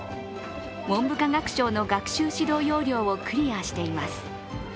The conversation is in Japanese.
文部科学省の学習指導要領をクリアしています。